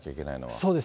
そうです。